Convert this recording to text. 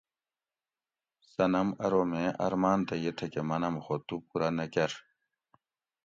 صنم ارو میں ارماۤن تہ یہ تھکہ منم خو تو پورہ نہ کۤر